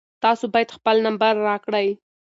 تاسو باید خپل نمبر راکړئ.